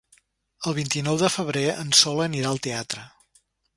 El vint-i-nou de febrer en Sol anirà al teatre.